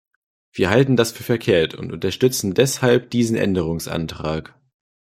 Wir halten das für verkehrt und unterstützen deshalb diesen Änderungsantrag.